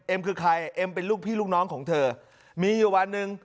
คือใครเอ็มเป็นลูกพี่ลูกน้องของเธอมีอยู่วันหนึ่ง